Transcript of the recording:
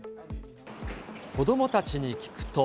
子どもたちに聞くと。